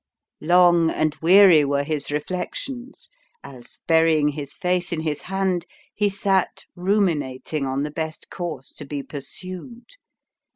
Long and weary were his reflections, as, burying his face in his hand, he sat, ruminating on the best course to be pursued.